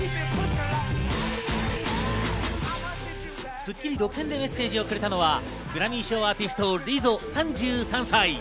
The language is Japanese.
『スッキリ』独占でメッセージをくれたのは、グラミー賞アーティスト、リゾ３３歳。